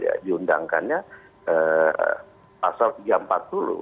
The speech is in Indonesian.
yaitu adalah untuk menjaga